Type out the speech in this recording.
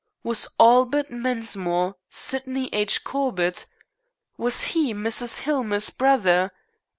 Was Albert Mensmore Sydney H. Corbett? Was he Mrs. Hillmer's brother?